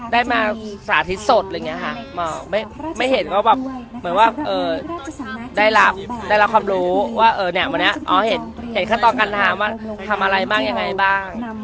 ได้มาสาธิตสดไม่เห็นว่าได้รับความรู้ว่าเห็นขั้นตอนการทำว่าทำอะไรบ้างยังไงบ้าง